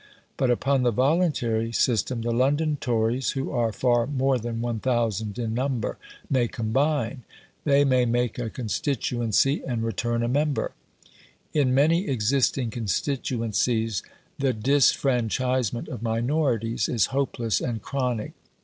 But upon the voluntary system the London Tories, who are far more than 1000 in number, may combine; they may make a constituency, and return a member. In many existing constituencies the disfranchisement of minorities is hopeless and chronic.